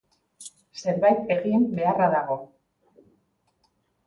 Zerbait egin beharra dago.